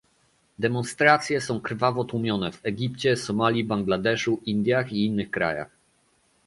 Demonstracje są krwawo tłumione w Egipcie, Somalii, Bangladeszu, Indiach i innych krajach